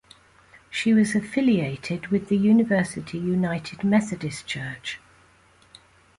She was affiliated with the University United Methodist Church.